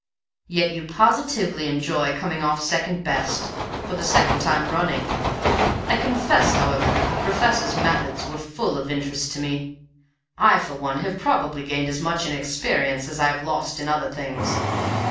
Yet you positively enjoy coming off second best for the second time running! I confess, however, that the professors' methods were full of interest to me. I, for one, have probably gained as much in experience as I have lost in other things.